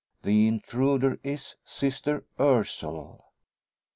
The intruder is "Sister Ursule."